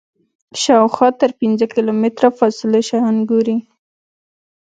شاوخوا تر پنځه کیلومتره فاصلې شیان ګوري.